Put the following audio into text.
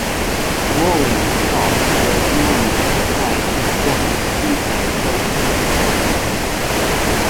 Rolling stock was normally supplied in the form of seaside coaches.